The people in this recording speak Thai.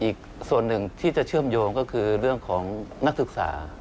อีกส่วนหนึ่งที่จะเชื่อมโยงก็คือเรื่องของนักศึกษา